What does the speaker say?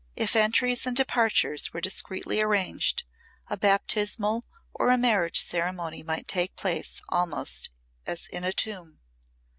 If entries and departures were discreetly arranged, a baptismal or a marriage ceremony might take place almost as in a tomb.